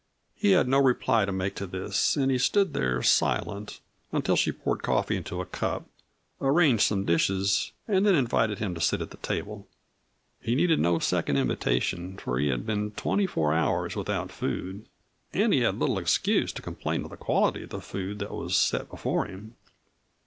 He had no reply to make to this, and he stood there silent, until she poured coffee into a cup, arranged some dishes, and then invited him to sit at the table. He needed no second invitation, for he had been twenty four hours without food. And he had little excuse to complain of the quality of the food that was set before him.